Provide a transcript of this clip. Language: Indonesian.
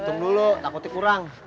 hitung dulu takutnya kurang